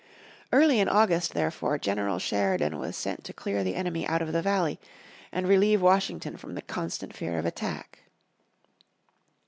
Early in August therefore General Sheridan was sent to clear the enemy out of the valley, and relieve Washington from the constant fear of attack.